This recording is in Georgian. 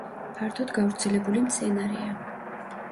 ფართოდ გავრცელებული მცენარეა.